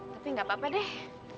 tapi gak apa apa deh